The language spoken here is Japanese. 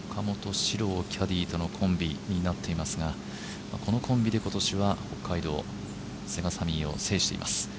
史郎キャディーとのコンビになっていますがこのコンビで今年は北海道セガサミーを制しています。